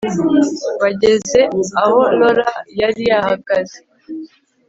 Bageze aho Laura yari yahageze